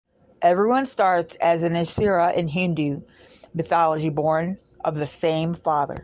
Everyone starts as an Asura in Hindu mythology, born of the same father.